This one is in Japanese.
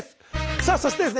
さあそしてですね